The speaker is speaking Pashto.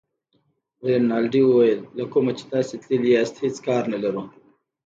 رینالډي وویل له کومه چې تاسي تللي یاست هېڅ کار نه لرو.